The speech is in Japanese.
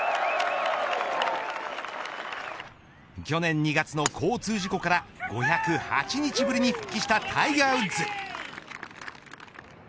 去年２月の交通事故から５０８日ぶりに復帰したタイガー・ウッズ。